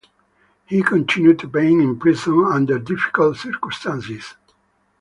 He continued to paint in prison under difficult circumstances.